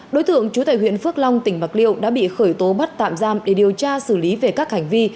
đối thượng chú tài huyện phước long tỉnh bạc liêu đã bị khởi tố bắt tạm giam để điều tra xử lý về các hành vi